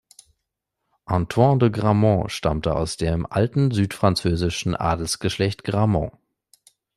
Antoine de Gramont stammte aus dem alten südfranzösischen Adelsgeschlecht Gramont.